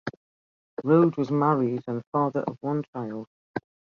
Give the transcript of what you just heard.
Rohde was married and father of one child.